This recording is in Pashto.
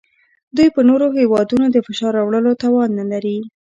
دوی په نورو هیوادونو د فشار راوړلو توان نلري